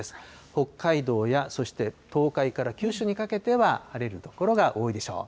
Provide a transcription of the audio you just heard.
北海道や、そして東海から九州にかけては晴れる所が多いでしょう。